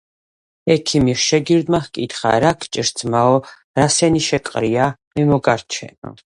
ექიმის შეგირდმა ჰკითხა: რა გჭირს, ძმაო, რა სენი შეგყრია? მე მოგარჩენო.